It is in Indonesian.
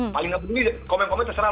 paling nggak begini komen komen terserah